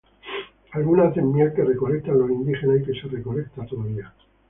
Algunas hacen miel que recolectan los indígenas y que se recolecta todavía.